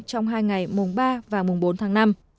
trong hai ngày mùng ba và mùng bốn tháng năm